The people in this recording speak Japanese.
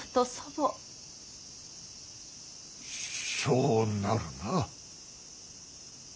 そうなるな。